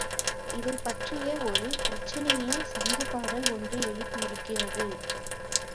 இதைப் பற்றிய ஒரு பிரச்சனையே சங்கப் பாடல் ஒன்று எழுப்பியிருக்கிறது.